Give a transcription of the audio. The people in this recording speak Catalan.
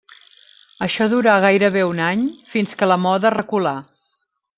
Això durà gairebé un any fins que la moda reculà.